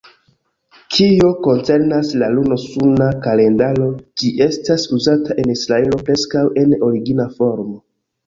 Kio koncernas al luno-suna kalendaro, ĝi estas uzata en Israelo preskaŭ en origina formo.